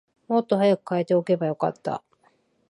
もっと早く替えておけばよかった